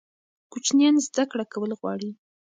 کوچنیان زده کړه کول غواړي.